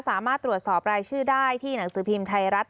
สามารถตรวจสอบรายชื่อได้ที่หนังสือพิมพ์ไทยรัฐ